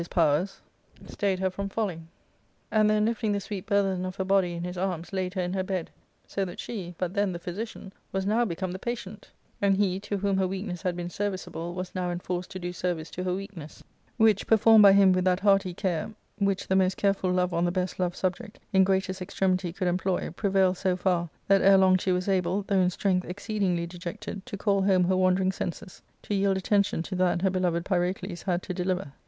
Sook IIL powers, stayed her from falling, and then lifting the sweet* burthen of her body in his arms laid her in her bed.; so that she, but then the physician, was now become the patient, and he to whom her weakness had been serviceable was now enforced to do service to her weakness, which, performed by him with that hearty care which the most careful love on the best loved subject in greatest extremity could employ, pre vailed so far that ere long she was able, though in strength exceedingly dejected, to call home her wandering senses, to yield attention to that her beloved Pyrocles had to deliver.